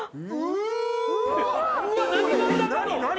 何？